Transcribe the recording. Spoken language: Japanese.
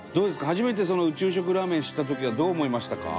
初めてその宇宙食ラーメン知った時はどう思いましたか？